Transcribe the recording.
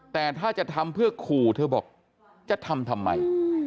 แต่ถ้าจะทำเพื่อขู่เธอบอกจะทำทำไม